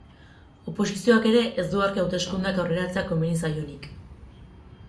Oposizioak ere ez du argi hauteskundeak aurreratzea komeni zaionik.